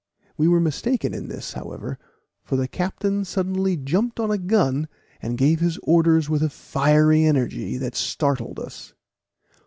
We were mistaken in this, however, for the captain suddenly jumped on a gun, and gave his orders with a fiery energy that startled us.